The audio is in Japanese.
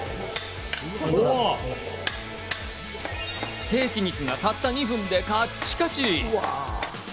ステーキ肉がたった２分でカッチカチ。